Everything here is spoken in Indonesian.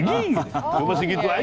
itu masih gitu aja